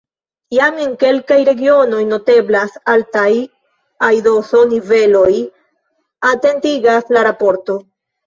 Jam en kelkaj regionoj noteblas altaj aidoso-niveloj, atentigas la raporto.